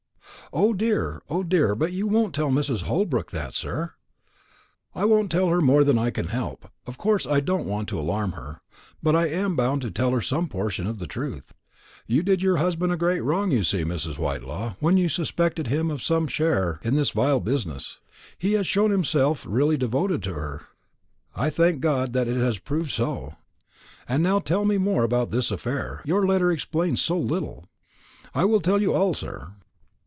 "O dear, O dear! But you won't tell Mrs. Holbrook that, sir?" "I won't tell her more than I can help; of course I don't want to alarm her; but I am bound to tell her some portion of the truth. You did her husband a great wrong, you see, Mrs. Whitelaw, when you suspected him of some share in this vile business. He has shown himself really devoted to her. I thank God that it has proved so. And now tell me more about this affair; your letter explains so little." "I will tell you all, sir."